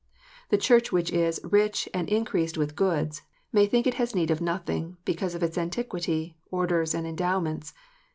The Church which is " rich, and increased with goods," may think it has " need of nothing," because of its antiquity, orders, and endowments.